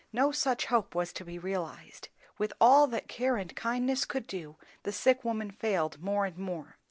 No such hope was to be realized. With all that care and kindness could do, the sick woman failed more and more.